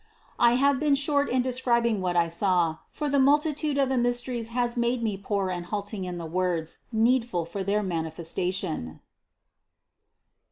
I have been short in describing what I saw; for the multitude of the mysteries has made me poor and halting in the words needful for their manifes tation.